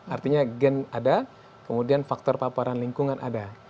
artinya gen ada kemudian faktor paparan lingkungan ada